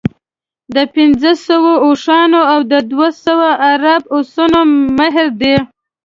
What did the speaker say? د پنځوسو اوښانو او دوه سوه عرب اسونو مهر دی.